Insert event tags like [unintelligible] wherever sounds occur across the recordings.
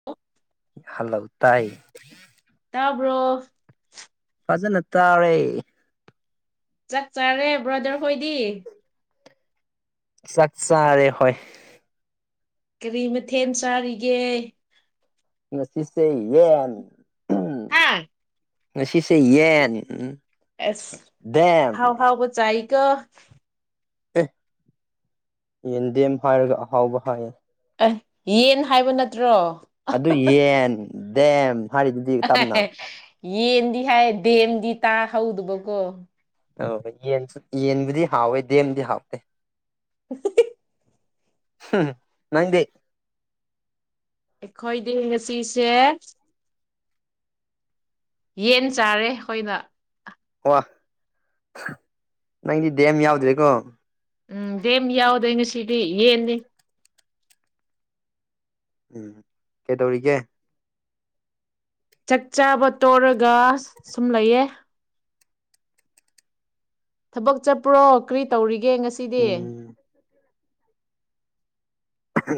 [unintelligible] ꯍꯜꯂꯥꯎ ꯇꯥꯏ ꯇꯕ꯭ꯔꯣ ꯐꯖꯦꯟꯠꯇꯥꯔꯦ ꯆꯥꯛ ꯆꯥꯔꯦ ꯕ꯭ꯔꯗꯔ ꯍꯣꯏꯗꯤ ꯆꯥꯛꯁꯥꯔꯦ ꯍꯣꯏ ꯀꯔꯤ ꯃꯊꯦꯜ ꯆꯥꯔꯤꯒꯦ ꯁꯤꯁꯦ ꯌꯦꯟ ꯍꯥꯥ ꯉꯁꯤꯁꯦ ꯌꯦꯟ ꯎ ꯑꯦꯁ ꯍꯥꯎ ꯍꯥꯎꯕ ꯆ ꯑꯩꯒ ꯑꯦ ꯌꯦꯟꯗꯦꯝ ꯍꯥꯏꯔꯒ ꯑꯍꯥꯎꯕ ꯍꯥꯏꯌꯦ ꯑ ꯌꯦꯟ ꯍꯥꯏꯕ ꯅꯠꯇ꯭ꯔꯣ ꯑꯗꯨ ꯌꯦꯟ ꯗꯦꯝ ꯍꯥꯏꯔꯤꯗꯨꯗꯤ ꯇꯞꯅ ꯌꯦꯟꯗꯤ ꯍꯥꯏ ꯗꯕꯦꯝꯗꯤ ꯇꯥꯍꯧꯗꯕꯀꯣ ꯑ ꯌꯦꯟꯁꯨ ꯌꯦꯟꯕꯨꯗꯤ ꯍꯥꯎꯋꯦ ꯗꯦꯝꯕꯨꯗꯤ ꯍꯥꯎꯇꯦ [unintelligible] ꯝ ꯅꯪꯗꯦ ꯑꯩꯈꯣꯏꯗꯤ ꯉꯁꯤꯁꯦ ꯌꯦꯟ ꯆꯥꯔꯦ ꯑꯩꯈꯣꯏꯅ ꯋꯥ ꯅꯪꯗꯤ ꯗꯦꯝ ꯌꯥꯎꯗ꯭ꯔꯦꯀꯣ ꯎꯝ ꯗꯦꯦꯝ ꯌꯥꯎꯗꯣꯏ ꯉꯁꯤꯗꯤ ꯌꯦꯅꯤ ꯎꯝ ꯀꯩꯗꯧꯔꯤꯒꯦ ꯆꯥꯛ ꯆꯥꯕ ꯇꯧꯔꯒ ꯁꯨꯝ ꯂꯩꯌꯦ ꯊꯕꯛ ꯆꯠꯄ꯭ꯔꯣ ꯀꯔꯤ ꯇꯧꯔꯤꯒꯦ ꯉꯁꯤꯗꯤ ꯎꯝ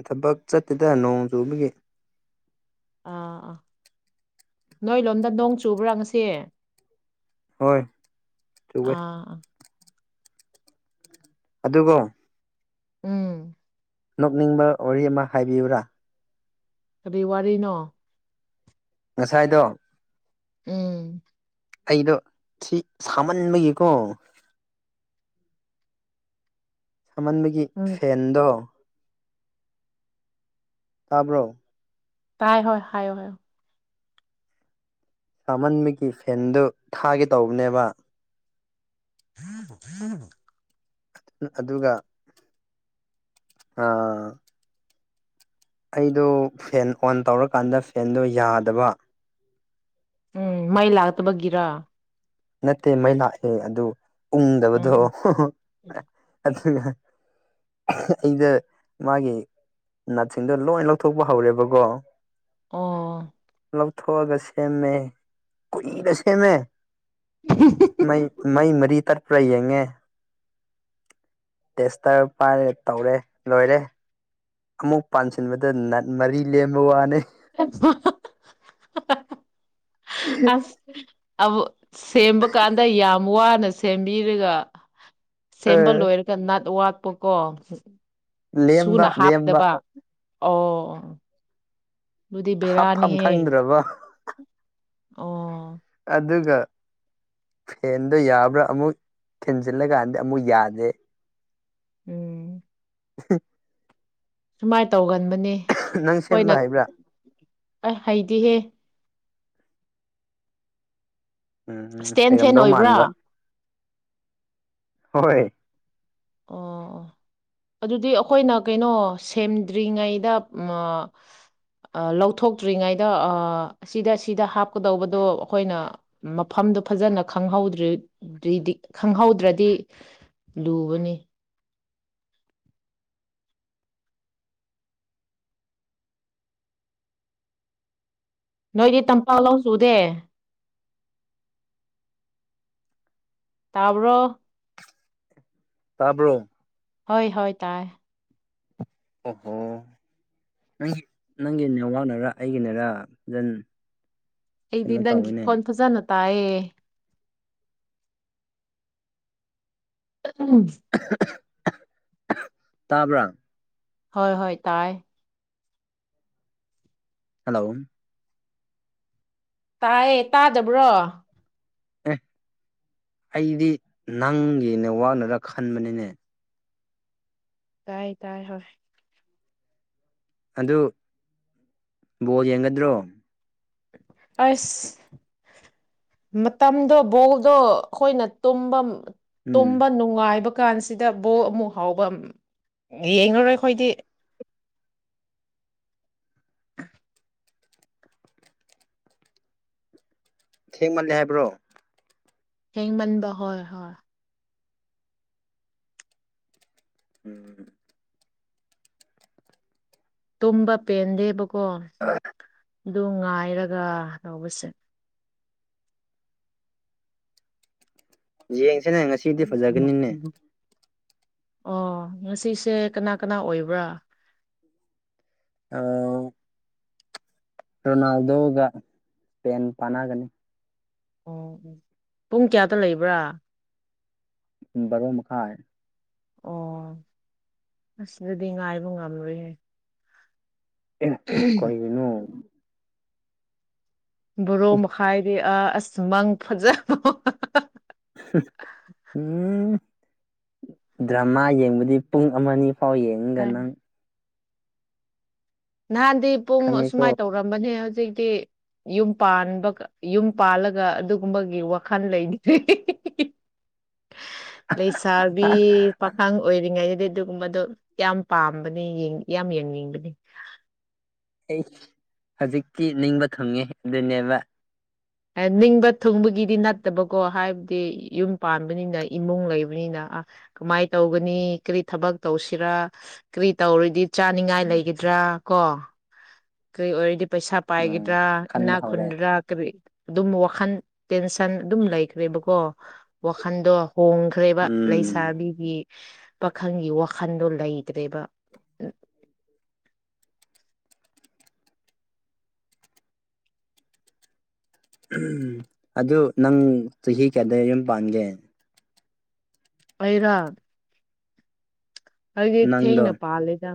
ꯊꯕꯛ ꯆꯠꯇꯨꯦꯗ ꯅꯣꯡ ꯆꯨꯕꯒꯤ ꯑꯥ ꯑꯥ ꯅꯣꯏ ꯂꯣꯝꯗ ꯅꯣꯡ ꯆꯨꯕ꯭ꯔꯥꯪꯉꯁꯦ ꯍꯣꯏ ꯇꯋꯦ ꯑꯥ ꯑꯗꯨꯒ ꯎꯝ ꯅꯣꯛꯅꯤꯡꯕ ꯋꯥꯔꯤ ꯑꯃ ꯍꯥꯏꯕꯤꯌꯨꯔꯥ ꯀꯔꯤ ꯋꯥꯔꯤꯅꯣ ꯉꯁꯥꯏꯗꯣ ꯎꯝ ꯑꯩꯗꯣ ꯁꯤ ꯁꯥꯃꯟꯕꯒꯤꯀꯣ ꯁꯝꯃꯟꯕꯒꯤ ꯎꯝ ꯐꯦꯟꯗꯣ ꯇꯥꯕ꯭ꯔꯣ ꯇꯥꯏ ꯍꯣꯏ ꯍꯥꯏꯌꯣ ꯍꯥꯏꯌ‌ꯣ ꯆꯥꯃꯟꯕꯒꯤ ꯐꯦꯟꯗꯨ ꯊꯥꯒꯦ ꯇꯧꯕꯅꯦꯕ ꯎꯝ ꯎꯝ ꯑꯗꯨꯒ ꯑꯥ ꯑꯩꯗꯣ ꯐꯦꯟ ꯑꯣꯟ ꯇꯧꯔꯀꯥꯟꯗ ꯐꯦꯟꯗꯣ ꯌꯥꯗꯕ ꯎꯝ ꯃꯩ ꯂꯥꯛꯇꯕꯒꯤꯔ ꯅꯠꯇꯦ ꯃꯩ ꯂꯥꯛꯑꯦ ꯑꯗꯨ ꯎꯪꯗꯕꯗꯣ ꯎꯝ ꯎꯝ ꯑꯗꯨꯅ ꯑꯩꯗ ꯃꯥꯒꯤ ꯅꯥꯠꯁꯤꯡꯗꯣ ꯂꯣꯏ ꯂꯧꯊꯣꯛꯄ ꯍꯧꯔꯦꯕꯀꯣ ꯑꯣ ꯂꯧ ꯊ‌ꯣꯑꯒ ꯁꯦꯝꯦ ꯀꯨꯏꯅꯁꯦꯃꯦ ꯃꯩ ꯃꯩ ꯃꯔꯤꯇꯠ ꯄꯨꯔꯥ ꯌꯦꯡꯉꯦ ꯇꯦꯁꯇꯔ ꯄꯥꯏꯔꯦ ꯇꯧꯔꯦ ꯂꯣꯏꯔꯦ ꯑꯃꯨꯛ ꯄꯥꯟꯁꯤꯟꯕꯗ ꯅꯟ ꯃꯔꯤ ꯂꯦꯝꯕ ꯋꯥꯅꯤ ꯑꯦ ꯑꯁ ꯁꯦꯝꯕꯀꯥꯟꯗ ꯌꯥꯝ ꯋꯥꯅ ꯁꯦꯝꯕꯤꯔꯒ ꯁꯦꯝꯕ ꯑ ꯂꯣꯏꯔ ꯅꯠ ꯋꯥꯠꯄꯀꯣ ꯁꯨꯅ ꯂꯦꯝꯕ ꯂꯦꯝꯕ ꯍꯥꯞꯇꯕ ꯑꯣ ꯑꯗꯨꯗꯤ ꯍꯥꯞꯐꯝ ꯕꯦꯔꯥꯅꯤꯍꯦ ꯈꯪꯗ꯭ꯔꯕ ꯑꯣ ꯑꯗꯨꯒ ꯐꯦꯟꯗꯣ ꯌꯥꯕ꯭ꯔꯥ ꯑꯃꯨꯛ ꯊꯤꯟꯖꯤꯜꯂꯀꯥꯟꯗꯤ ꯑꯃꯨꯛ ꯌꯥꯗꯦ ꯎꯝ [unintelligible] ꯁꯨꯃꯥꯏꯅ ꯇꯧꯒꯟꯕꯅꯦ ꯅꯪ ꯁꯦꯝꯕ ꯍꯣꯏꯅ ꯍꯩꯕ꯭ꯔꯥ ꯍꯩꯗꯤꯍꯦ ꯎꯝ ꯏꯁꯇꯦꯟ ꯐꯦꯟ ꯍꯩꯔꯝꯗꯧ ꯑꯣꯏꯕ꯭ꯔꯥ ꯃꯥꯟꯕ ꯍꯣꯏ ꯑꯣ ꯑꯗꯨꯗꯤ ꯑꯩꯈꯣꯏꯅ ꯀꯩꯅꯣ ꯁꯦꯝꯗ꯭ꯔꯤꯉꯩꯗ ꯂꯧꯊꯣꯛꯇ꯭ꯔꯤꯉꯩꯗ ꯁꯤꯗ ꯁꯤꯗ ꯍꯥꯞꯀꯗꯧꯕꯗꯣ ꯑꯩꯈꯣꯏꯅ ꯃꯐꯝꯗꯨ ꯐꯖꯅ ꯈꯪꯍꯧꯗ꯭ ꯈꯪꯍꯧꯗ꯭ꯔꯗꯤ ꯂꯨꯒꯅꯤ ꯅꯣꯏꯗꯤ ꯇꯝꯄꯥꯛ ꯅ‌ꯣꯡ ꯆꯨꯗꯦ ꯇꯥꯕ꯭ꯔ‌ꯣ ꯇꯥꯕ꯭ꯔꯣ ꯍꯣꯏ ꯍꯣꯏ ꯇꯥꯏ ꯑ‌ꯣ ꯍ‌ꯣ ꯅꯪꯒꯤ ꯅꯪꯒꯤ ꯅꯦꯋꯥꯥꯛꯅꯔꯥ ꯑꯩꯒꯤꯅꯔ ꯐꯖꯟ ꯑꯩꯗꯤ ꯀꯩꯅꯣ ꯅꯪꯒꯤ ꯇꯧꯋꯤꯅꯦ ꯈꯣꯟ ꯐꯖꯅ ꯇꯥꯑꯦ [inaudible] ꯇꯥꯕ꯭ꯔꯥ ꯍꯣꯏ ꯍꯣꯏ ꯇꯥꯏ ꯍꯜꯂꯣ ꯇꯥꯌꯦ ꯇꯥꯗꯕ꯭ꯔꯣ ꯑꯦ ꯑꯩꯗꯤ ꯅꯪꯒꯤ ꯅꯦꯠꯋꯥꯛꯅꯔ ꯈꯟꯕꯅꯤꯅꯦ ꯇꯥꯏ ꯇꯥꯏ ꯍꯣꯏ ꯑꯗꯨ ꯕꯣꯜ ꯌꯦꯡꯒꯗ꯭ꯔꯣ ꯑꯁ ꯃꯇꯝꯗꯣ ꯕꯣꯜꯗꯣ ꯑꯈꯣꯏꯅ ꯇꯨꯝꯕ ꯎꯝ ꯇꯨꯝꯕ ꯅꯨꯡꯉꯥꯏꯕ ꯀꯥꯟꯁꯤꯗ ꯕꯣꯛ ꯑꯃꯨꯛ ꯍꯥꯎꯕ ꯌꯦꯡꯉꯔꯣꯏ ꯈꯣꯏꯗꯤ ꯊꯦꯡꯃꯜꯂꯦ ꯍꯥꯏꯕ꯭ꯔꯣ ꯊꯦꯡꯃꯟꯕ ꯍꯣꯏ ꯍꯣꯏ [inaudible] ꯇꯨꯝꯕ ꯄꯦꯟꯗꯦꯕꯀꯣ [unintelligible] ꯑꯗꯨ ꯉꯥꯏꯔꯒ ꯇꯧꯕꯁꯦ ꯌꯦꯡꯁꯤꯅꯦ ꯉꯁꯤꯗꯤ ꯐꯖꯒꯅꯤꯅꯦ ꯑꯣ ꯉꯁꯤꯁꯦ ꯀꯅꯥ ꯀꯅꯥ ꯑꯣꯏꯕ꯭ꯔꯥ ꯑ ꯔꯣꯅꯥꯜꯗꯣꯒ ꯁ꯭ꯄꯦꯟ ꯄꯥꯟꯅꯒꯅꯤ ꯑꯣ ꯄꯨꯡ ꯀꯌꯥꯗ ꯂꯩꯕ꯭ꯔꯥ ꯕꯥꯔꯣ ꯃꯈꯥꯏ ꯑꯣ ꯑꯁ ꯑꯗꯨꯗꯤ ꯉꯥꯏꯕ ꯉꯝꯔꯣꯏꯍꯦ ꯑꯦ ꯀꯔꯤꯒꯤꯅꯣ ꯕꯥꯔꯣ ꯃꯈꯥꯏꯗꯤ ꯑꯥ ꯑꯁ ꯃꯪ ꯐꯖꯕ ꯎꯝ ꯗ꯭ꯔꯃꯥ ꯌꯦꯡꯕꯗꯤ ꯄꯨꯡ ꯑꯃ ꯑꯅꯤ ꯐꯥꯎ ꯌꯦꯡꯅꯤꯗ ꯅꯪ ꯅꯍꯥꯟꯗꯤ ꯄꯨꯡ ꯑꯁꯨꯨꯃꯥꯏꯅ ꯈꯪꯉꯦꯀꯣ ꯇꯧꯔꯝꯕꯅꯦ ꯍꯧꯖꯤꯛꯇꯤ ꯌꯨꯝ ꯄꯥꯟꯕ ꯌꯨꯝ ꯄꯥꯜꯂꯒ ꯑꯗꯨꯒꯨꯝꯕꯒꯤ ꯋꯥꯈꯜ ꯂꯩꯒꯤꯗ꯭ꯔꯦ ꯂꯩꯁꯥꯕꯤ ꯄꯥꯈꯪ ꯑꯣꯏꯔꯤꯉꯩꯗꯗꯤ ꯑꯗꯨꯒꯨꯝꯕꯗꯣ ꯌꯥꯝ ꯄꯥꯝꯕꯅꯤ ꯌꯥꯝ ꯌꯦꯡꯅꯤꯡꯕꯅꯤ ꯑꯩꯁ ꯍꯧꯖꯤꯛꯇꯤ ꯅꯤꯡꯕ ꯊꯨꯡꯉꯦ ꯑꯗꯨꯅꯦꯕ ꯅꯤꯡꯕ ꯊꯨꯡꯕꯒꯤꯗꯤ ꯅꯠꯇꯕꯀꯣ ꯍꯥꯏꯕꯗꯤ ꯌꯨꯝ ꯄꯥꯟꯕꯅꯤꯅ ꯏꯃꯨꯡ ꯂꯩꯕꯅꯤꯅ ꯑ ꯀꯃꯥꯏꯅ ꯇꯧꯒꯅꯤ ꯀꯔꯤ ꯊꯕꯛ ꯇꯧꯁꯤꯔ ꯀꯔꯤ ꯇꯧꯔꯗꯤ ꯆꯥꯅꯤꯡꯉꯥꯏ ꯂꯩꯒꯗ꯭ꯔꯥ ꯀꯣ ꯀꯔꯤ ꯑꯣꯏꯔꯗꯤ ꯄꯩꯁꯥ ꯎꯝ ꯄꯥꯏꯒꯗ꯭ꯔꯥ ꯏꯅꯥ ꯈꯟꯕ ꯍꯧꯔꯦ ꯈꯨꯟꯗ꯭ꯔꯥ ꯀꯔꯤ ꯑꯗꯨꯝ ꯋꯥꯈꯟ ꯇꯦꯟꯁꯟ ꯑꯗꯨꯝ ꯂꯩꯈ꯭ꯔꯦꯕꯀꯣ ꯋꯥꯈꯟꯗꯣ ꯍꯣꯡꯈ꯭ꯔꯦꯕ ꯎꯝ ꯂꯩꯁꯥꯕꯤꯒꯤ ꯄꯥꯈꯪꯒꯤ ꯋꯥꯈꯟꯗꯣ ꯂꯩꯇ꯭ꯔꯦꯕ ꯑꯗꯨ ꯅꯪ ꯆꯍꯤ ꯀꯌꯥꯗ ꯌꯨꯝ ꯄꯥꯟꯒꯦ ꯑꯩꯔꯣ ꯑꯩꯗꯤ ꯊꯦꯡꯅ ꯅꯪꯗꯣ ꯄꯥꯜꯂꯤꯗ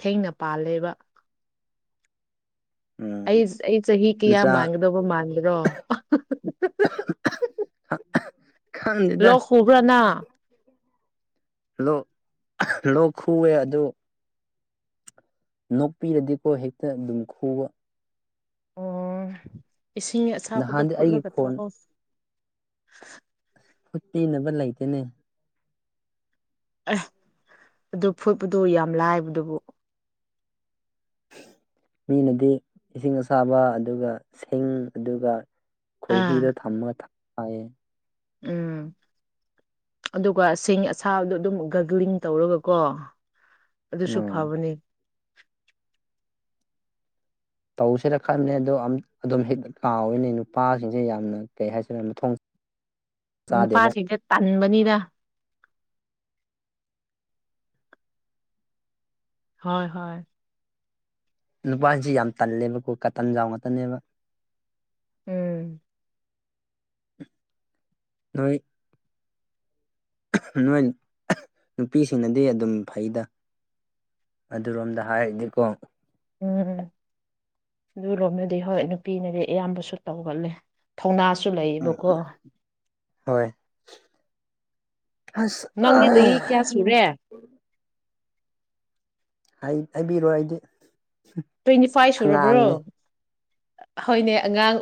ꯊꯦꯡꯅ ꯄꯥꯜꯂꯦꯕ ꯑꯩ ꯎꯝ ꯑꯩ ꯆꯍꯤ ꯀꯌꯥ ꯅꯆꯥ ꯃꯥꯟꯒꯗꯧꯕ ꯃꯥꯟꯕꯔꯣ ꯈꯪꯗꯦꯗ [unintelligible] ꯍꯥꯜꯂꯣ ꯂꯣꯛ ꯈꯨꯑꯦ ꯑꯗꯣ ꯅꯣꯛꯄꯤꯔꯗꯤꯀꯣ ꯍꯦꯛꯇ ꯑꯗꯨꯝ ꯈꯨꯕ ꯑꯣ ꯏꯁꯤꯡ ꯑꯁꯥꯕꯗꯣ ꯅꯍꯥꯟꯗꯤ ꯑꯩꯒꯤ ꯐꯨꯠꯂꯒ ꯈꯣꯟ ꯊꯥꯛꯑꯣ ꯐꯨꯠꯄꯤꯅꯕ ꯂꯩꯇꯦꯅꯦ ꯑꯦ ꯑꯗꯨ ꯐꯨꯠꯄꯗꯨ ꯌꯥꯝ ꯂꯥꯏꯕꯗꯨꯕꯨ ꯃꯤꯅꯗꯤ ꯏꯁꯤꯡ ꯑꯁꯥꯕ ꯑꯗꯨꯒ ꯁꯤꯡ ꯑꯗꯨꯒ ꯈꯣꯏꯍꯤꯗ ꯑꯥ ꯊꯝꯃꯒ ꯊꯥꯛꯌꯦ ꯎꯝ ꯑꯗꯨꯒꯁꯤꯡ ꯑꯁꯥꯕꯗꯣ ꯑꯗꯨꯝ ꯒꯒ꯭ꯂꯤꯡ ꯇꯧꯔꯒꯀꯣ ꯑꯗꯨꯁꯨ ꯎꯝ ꯐꯕꯅꯦ ꯇꯧꯁꯤꯔ ꯈꯜꯕꯅꯦ ꯑꯗꯣ ꯑꯗꯨꯝ ꯀꯥꯎꯋꯤꯅꯦ ꯅꯨꯄꯥꯁꯤꯡꯁꯦ ꯌꯥꯝꯅ ꯀꯩ ꯍꯥꯏꯁꯤꯔ ꯅꯨꯄꯥ ꯆꯥꯗꯦꯕ ꯁꯤꯡꯁꯦ ꯇꯟꯕꯅꯤꯗ ꯍꯣꯏ ꯍꯣꯏ ꯅꯨꯄꯥ ꯁꯤꯡꯁꯦ ꯌꯥꯝ ꯇꯥꯟꯂꯦꯕ ꯀꯣ ꯀꯥꯇꯟꯖꯥꯎ ꯉꯛꯇ ꯅꯦꯕ ꯎꯝ ꯅꯣꯢ ꯅꯣꯏ ꯅꯨꯄꯤꯁꯤꯡꯅꯥꯗꯤ ꯑꯗꯨꯝ ꯐꯩꯗꯥ ꯑꯗꯨꯔꯣꯝꯗ ꯍꯥꯏꯔꯗꯤ ꯀꯣ ꯎꯝ ꯑꯗꯨ ꯔꯣꯝ ꯗꯗꯤ ꯍꯣꯢ ꯅꯨꯄꯤ ꯅꯗꯤ ꯑꯌꯥꯝꯕꯁꯨ ꯇꯧꯒꯜꯂꯦ ꯊꯧꯅꯥ ꯁꯨ ꯂꯩꯌꯦꯕ ꯀꯣ ꯍꯣꯏ ꯑꯁ ꯅꯪꯗꯤ ꯆꯍꯤ ꯀꯌꯥ ꯁꯨꯔꯦ ꯍꯥꯏ ꯍꯥꯏꯕꯤꯔꯣꯏ ꯑꯩꯗꯤ ꯇ꯭ꯋꯦꯟꯇꯤ ꯐꯥꯏꯚ ꯁꯨꯔꯕ꯭ꯔꯣ ꯑꯉꯥꯡꯅꯦ ꯍꯣꯏꯅꯦ ꯑꯉꯥꯡ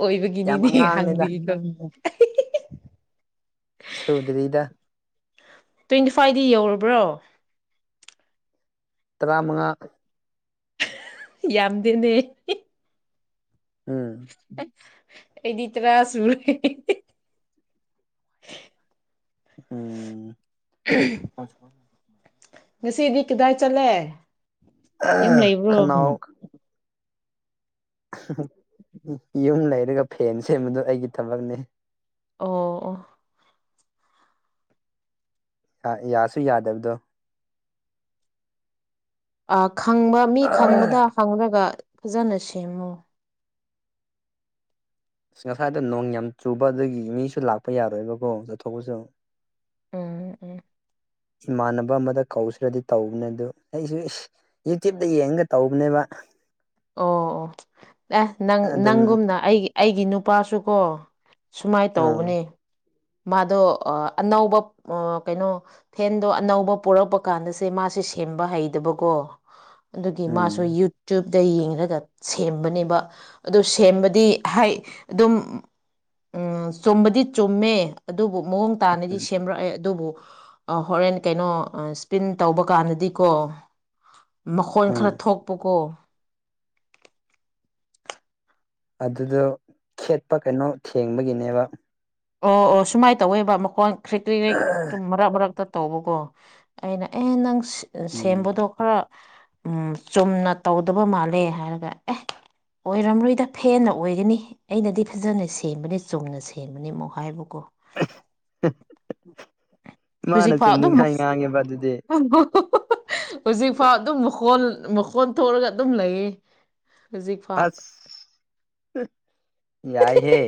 ꯌꯥꯝ ꯑꯣꯏꯕꯒꯤꯅꯤꯅꯦ ꯑꯉꯥꯡꯅꯦꯗ ꯍꯪꯕꯤꯔꯤꯗꯣ ꯁꯨꯗ꯭ꯔꯤꯗ ꯇ꯭ꯋꯦꯟꯇꯤ ꯐꯥꯏꯚꯗꯤ ꯌꯧꯔꯕ꯭ꯔꯣ ꯇꯔꯥꯃꯉꯥ ꯌꯥꯝꯗꯦꯅꯦ ꯎꯝ ꯑꯩꯗꯤ ꯇꯥꯔꯥ ꯁꯨꫪꯦ ꯎꯝ unintelligible [inaudible] ꯉꯁꯤꯗꯤ ꯀꯗꯥꯏ ꯆꯠꯂꯦ ꯌꯨꯝ ꯂꯩꯕ꯭ꯔꯣ ꯈꯅꯥꯎ ꯌꯨꯝ ꯂꯩꯔꯒ ꯐꯦꯟ ꯁꯦꯝꯕꯗꯣ ꯑꯩꯒꯤ ꯊꯕꯛꯅꯦ ꯑꯣ ꯑꯣ ꯑꯣ ꯌꯥꯁꯨ ꯌꯥꯗꯕꯗꯣ ꯑ ꯈꯪꯕ ꯃꯤ ꯈꯪꯕꯗ ꯑꯁ ꯍꯪꯔꯒ ꯐꯖꯅ ꯁꯦꯃꯣ ꯉꯁꯥꯏꯗꯣ ꯅꯣꯡ ꯌꯥꯝ ꯆꯨꯕ ꯑꯗꯨꯒꯤ ꯃꯤꯁꯨ ꯂꯥꯛꯄ ꯌꯥꯔꯣꯏꯕ ꯀꯣ ꯆꯠꯊꯣꯛꯄꯁꯨ ꯎꯝ ꯎꯝ ꯏꯃꯥꯅꯥꯕ ꯑꯃꯗ ꯀꯧꯁꯦꯔꯥ ꯗꯤ ꯇꯧꯕꯅꯦ ꯑꯗꯨ ꯑꯩꯁꯨ ꯌꯨꯇ꯭ꯌꯕꯇ ꯌꯦꯡꯉꯒ ꯇꯧꯕꯅꯦꯕ ꯑꯣ ꯑꯣ ꯑꯦꯁ ꯅꯪ ꯑꯗꯨꯝ ꯅꯪꯒꯨꯝꯅ ꯑꯩꯒꯤ ꯑꯩꯒꯤ ꯅꯨꯄꯥꯁꯨꯀꯣ ꯁꯨꯃꯥꯏꯅ ꯑꯥ ꯇꯧꯕꯅꯦ ꯃꯥꯗꯣ ꯑꯅꯧꯕ ꯑꯣ ꯀꯩꯅꯣ ꯐꯦꯟꯗꯣ ꯑꯅꯧꯕ ꯄꯣꯔꯛꯄ ꯀꯥꯟꯗ ꯁꯦ ꯃꯥꯁꯦ ꯁꯦꯝꯕ ꯍꯩꯗꯕ ꯀꯣ ꯑꯗꯨꯒꯤ ꯎꯝ ꯃꯥꯁꯨ ꯌꯨꯇ꯭ꯌꯨꯞ ꯗ ꯌꯦꯡꯔꯥꯒ ꯁꯦꯝꯕꯅꯦꯕꯥ ꯑꯗꯨ ꯁꯦꯝꯕꯗꯤ ꯍꯥꯏ ꯑꯗꯨꯝ ꯎꯝ ꯆꯨꯝꯕꯗꯤ ꯆꯨꯝꯃꯦ ꯑꯗꯨꯕꯨ ꯃꯑꯣꯡ ꯇꯥꯅꯗꯤ ꯎꯝ ꯁꯦꯝꯕ꯭ꯔ ꯑꯦ ꯑꯗꯨꯕꯨ ꯍꯣꯔꯦꯟ ꯀꯩꯅꯣ ꯁ꯭ꯄꯤꯟ ꯇꯧꯕ ꯀꯥꯟꯗꯗꯤ ꯀꯣ ꯃꯈꯣꯟ ꯎꯝ ꯈꯔꯥ ꯊꯣꯛꯄ ꯀꯣ ꯑꯗꯨꯗꯣ ꯈꯦꯠꯄ ꯀꯩꯅꯣ ꯊꯦꯡꯕꯒꯤꯅꯦꯕ ꯑꯣ ꯑꯣ ꯁꯨꯃꯥꯏꯅ ꯇꯧꯋꯦꯕ ꯃꯈꯣꯟ ꯈ꯭ꯔꯤ ꯀ꯭ꯔꯤ ꯒꯨꯝꯕ ꯃꯔꯥꯛ ꯃꯔꯥꯛꯇ ꯇꯧꯕꯀꯣ ꯑꯩꯅ ꯑꯦ ꯅꯪ ꯎꯝ ꯁꯦꯝꯕꯗꯣ ꯈꯔꯥ ꯎꯃ ꯆꯨꯝꯅ ꯇꯧꯗꯥꯕ ꯃꯥꯜꯂꯦ ꯍꯥꯏꯔꯒ ꯑꯦ ꯑꯣꯏꯔꯝꯔꯣꯏꯗ ꯐꯦꯟꯅ ꯑꯣꯏꯒꯅꯤ ꯑꯩꯅꯗꯤ ꯐꯖꯅ ꯁꯦꯝꯕꯅꯤ ꯆꯨꯝꯅ ꯁꯦꯝꯕꯅꯤ ꯃꯨꯛ ꯍꯥꯏꯕꯀꯣ ꯃꯥꯅ ꯍꯧꯖꯤꯛ ꯐꯥꯎ ꯑꯗꯨꯝ ꯆꯨꯝꯅꯤꯡꯉꯥꯏ ꯉꯥꯡꯉꯦꯕ ꯑꯗꯨꯗꯤ ꯐꯪꯕꯣ ꯍꯧꯖꯤꯛꯐꯥꯎ ꯑꯗꯨꯝ ꯃꯈꯣꯜ ꯃꯈꯣꯟ ꯊꯣꯛꯔꯥꯒ ꯑꯗꯨꯝ ꯂꯩꯌꯦ ꯍꯧꯖꯤꯛꯐꯥꯎ ꯑꯁ ꯌꯥꯏꯍꯦ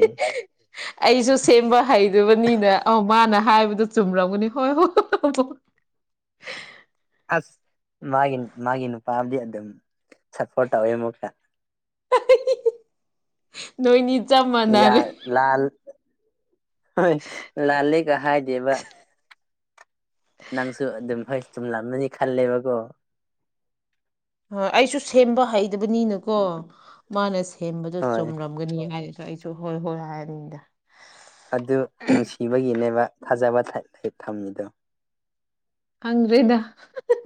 ꯑꯩꯖꯨ ꯁꯦꯝꯕꯥ ꯍꯩꯗꯕꯅꯤꯅ ꯑꯧ ꯃꯥꯅ ꯍꯥꯏꯕꯗꯨ ꯆꯨꯝꯔꯝꯒꯅꯤ ꯍꯣꯏ ꯍꯣꯏ ꯑꯁ ꯃꯥꯒꯤ ꯃꯥꯒꯤ ꯅꯨꯄꯥꯗꯤ ꯑꯗꯨꯝ ꯁꯄꯣꯔꯠ ꯇꯧꯋꯦ ꯃꯨꯛꯀꯥ ꯅꯣꯏꯅꯤ ꯆꯥꯞ ꯌꯥ ꯃꯥꯅꯔꯦ ꯂꯥꯜ ꯍꯣꯏ ꯂꯥꯜꯂꯦ ꯀꯥ ꯍꯥꯏꯗꯦꯕ ꯅꯪꯁꯨ ꯑꯗꯨꯝ ꯍꯣꯏ ꯆꯨꯝꯂꯝꯃꯅꯤ ꯈꯜꯂꯦꯕꯀꯣ ꯑ ꯑꯩꯁꯨ ꯁꯦꯝꯕ ꯍꯩꯗꯕꯅꯤꯅꯀꯣ ꯃꯥꯅ ꯁꯦꯝꯕꯗꯣ ꯍꯣꯏ ꯆꯨꯝꯔꯝꯒꯅꯤ ꯍꯥꯏ ꯑꯩꯖꯨ ꯍꯣꯏ ꯍꯣꯏ ꯍꯥꯏꯔꯅꯤꯗ ꯑꯗꯨ ꯅꯨꯡꯁꯤꯕꯒꯤꯅꯦꯕ ꯊꯥꯖꯕ ꯊꯠ ꯊꯝꯃꯤꯗꯣ ꯈꯪꯗ꯭ꯔꯦꯗ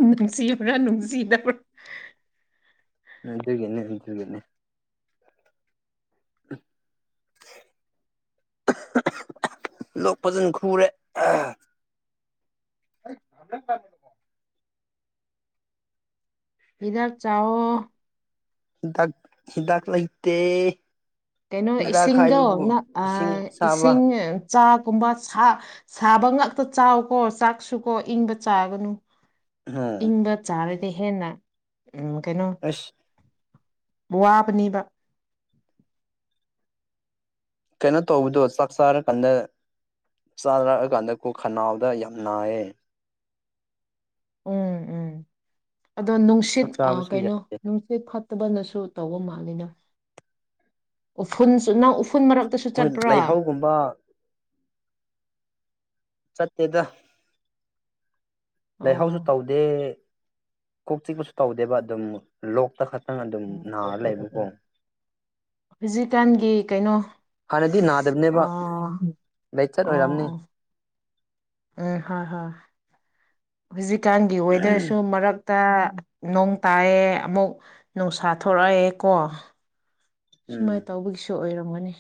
ꯅꯨꯡꯁꯤꯕ꯭ꯔꯥ ꯅꯨꯡꯁꯤꯗꯕꯥꯔ ꯑꯗꯨꯒꯤꯅꯦ ꯑꯗꯨꯒꯤꯅꯦ ꯂꯣꯛ ꯐꯖꯟ ꯈꯨꯔꯦ [unintelligible] ꯍꯤꯗꯥꯛ ꯆꯥꯎꯋꯣ ꯍꯤꯗꯥꯛ ꯍꯤꯗꯥꯛ ꯂꯩꯇꯦ ꯀꯩꯅꯣ ꯍꯤꯗꯥꯛ ꯏꯁꯤꯡꯗꯣ ꯍꯥꯏꯕꯕꯨ ꯉꯛ ꯑ ꯏꯁꯤꯡ ꯑꯁꯥꯕ ꯏꯁꯤꯡ ꯆꯥꯛꯀꯨꯝꯕ ꯁꯥ ꯁꯥꯕ ꯉꯥꯛꯇ ꯆꯥꯎꯀꯣ ꯆꯥꯛꯁꯨꯀꯣ ꯏꯪꯕ ꯆꯥꯒꯅꯨ ꯎꯝ ꯏꯪꯕ ꯆꯥꯔꯗꯤ ꯍꯦꯟꯅ ꯎꯝ ꯀꯩꯅꯣ ꯑꯁ ꯋꯥꯕꯅꯦꯕ ꯀꯩꯅꯣ ꯇꯧꯕꯗꯣ ꯆꯥꯛ ꯆꯥꯔ ꯀꯥꯟꯗ ꯆꯥꯔꯛꯑ ꯀꯥꯟꯗ ꯀꯣ ꯈꯅꯥꯎꯗ ꯌꯥꯝ ꯅꯥꯏꯌꯦ ꯎꯝ ꯎꯝ ꯑꯗꯣ ꯆꯥꯛ ꯅꯨꯡꯁꯤꯠ ꯑ ꯆꯥꯕꯁꯨ ꯀꯩꯅꯣ ꯌꯥꯗꯦ ꯅꯨꯡ ꯁꯤꯠ ꯐꯠꯇꯕꯅꯁꯨ ꯇꯧꯕ ꯃꯥꯜꯂꯤꯗ ꯎꯐꯨꯟꯁꯨ ꯅꯪ ꯎꯐꯨꯟ ꯃꯔꯛꯇꯁꯨ ꯈꯣꯏꯟ ꯆꯠꯄ꯭ꯔꯥ ꯂꯩꯍꯧꯒꯨꯝꯕ ꯆꯠꯇꯦꯗ ꯂꯩꯍꯧꯁꯨ ꯑꯣ ꯇꯧꯗꯦ ꯀꯣꯛ ꯆꯤꯛꯄꯁꯨ ꯇꯧꯗꯦꯕ ꯑꯗꯨꯝ ꯂꯣꯛꯇ ꯈꯠ ꯇꯪ ꯑꯗꯨꯝ ꯅꯥꯔ ꯂꯩꯕꯀꯣ ꯍꯧꯖꯤꯛꯀꯥꯟꯒꯤ ꯀꯩꯅꯣ ꯍꯥꯟꯅꯗꯤ ꯑ ꯅꯥꯗꯕꯅꯦꯕ ꯑꯣ ꯂꯥꯏꯆꯠ ꯑꯣꯏꯔꯝꯅꯤ ꯑꯣ ꯎꯝ ꯍꯣꯏ ꯍꯣꯏ ꯍꯧꯖꯤꯛꯀꯥꯟꯒꯤ ꯋꯦꯗꯔꯁꯨ ꯃꯔꯛ ꯇ ꯅꯣꯡ ꯇꯥꯑꯦ ꯑꯃꯨꯛ ꯅꯨꯡꯁꯥ ꯊꯣꯛꯔꯛꯑꯦ ꯀꯣ ꯁꯨꯃꯥꯏꯟ ꯎꯝ ꯇꯧꯕꯒꯤꯁꯨ ꯑꯣꯏꯔꯝꯒꯅꯤ